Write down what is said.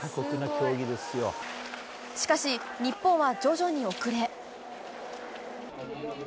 しかし、日本は徐々に遅れ。